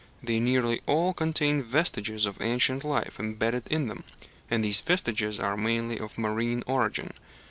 They nearly all contain vestiges of ancient life embedded in them, and these vestiges are mainly of marine origin.